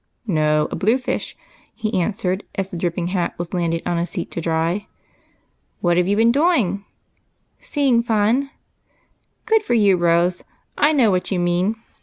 "" No, a blue fish," he answered, as the dripping hat was landed on a seat to dry. "What have you been doing?" " Seeing Fun." " Good for you. Rose ! I know what you mean.